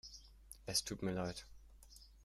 Es tut mir leid.